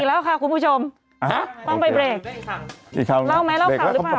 อ้าวก็เมื่อกี้ก็บอกให้บึื่นหาเด็กไหม